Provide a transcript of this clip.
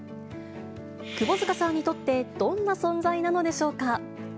窪塚さんにとってどんな存在なのでしょうか。